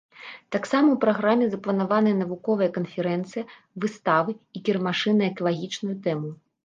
Таксама ў праграме запланаваны навуковая канферэнцыя, выставы і кірмашы на экалагічную тэму.